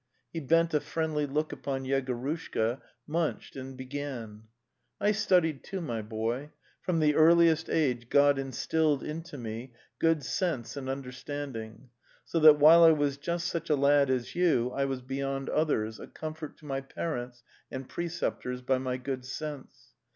He bent a friendly look upon Yegorushka, munched, and began: : "T studied too, my boy; from the earliest age God instilled into me good sense and understanding, so that while I was just such a lad as you I was beyond others, a comfort to my parents and preceptors by my good sense.